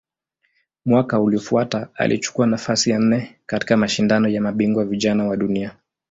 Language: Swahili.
Mwaka uliofuata alichukua nafasi ya nne katika Mashindano ya Mabingwa Vijana wa Dunia.